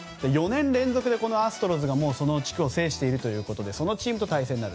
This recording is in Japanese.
４年連続でアストロズがその地区を制しているということでそのチームと対戦。